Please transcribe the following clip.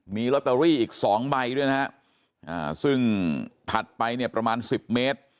มีโรตเตอรี่อีก๒ใบด้วยนะครับซึ่งถัดไปประมาณ๑๐เมตร